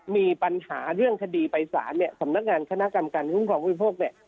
มีปัญหาเรื่องคดีไปสารเนี่ยสำนักงานคณะกรรมการคุ้มครองผู้บริโภคเนี่ย